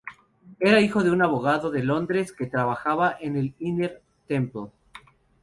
Era hijo de un abogado de Londres, que trabajaba en el Inner Temple.